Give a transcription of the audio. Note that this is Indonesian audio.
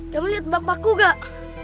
kamu lihat bapakku gak